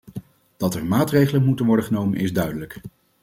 Dat er maatregelen moeten worden genomen is duidelijk.